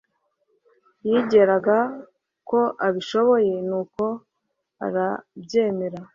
Yizeraga ko abishoboye, nuko arabyemera.